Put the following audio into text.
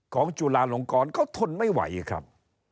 ของจุฬารงค์กอนเขาทนไม่ไหวครับ